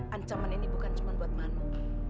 ancaman ini bukan cuma buat manu